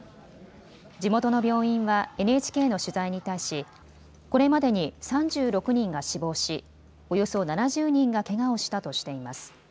地元の病院はＮＨＫの取材に対し、これまでに３６人が死亡し、およそ７０人がけがをしたとしています。